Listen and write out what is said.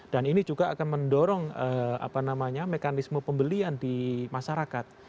dan ini juga akan mendorong apa namanya mekanisme pembelian di masyarakat